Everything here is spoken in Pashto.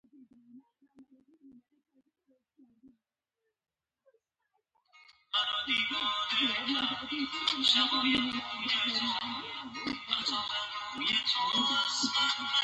دا كار هر سوك نشي كولاى.